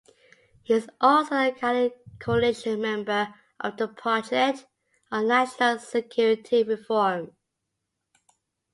He is also a guiding coalition member of the Project on National Security Reform.